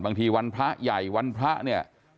บางทีวันพระใหญ่วันพระเนี่ย